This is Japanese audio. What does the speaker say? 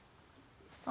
あ？